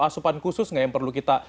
asupan khusus nggak yang perlu kita